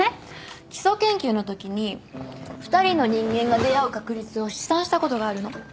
基礎研究のときに２人の人間が出会う確率を試算したことがあるの。